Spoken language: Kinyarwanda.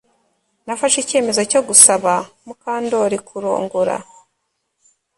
Nafashe icyemezo cyo gusaba Mukandoli kurongora